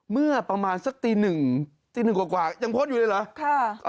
เมื่อประมาณสักตีหนึ่งตีหนึ่งกว่ายังพ้นอยู่เลยเหรอ